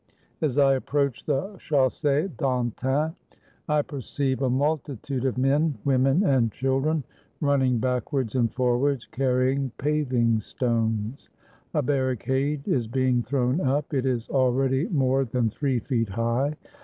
As I approach the Chaussee d'Antin, I perceive a multitude of men, women, and children ninning backwards and forwards, carrying paving stones. A barricade is being thrown up; it is al ready more than three feet high.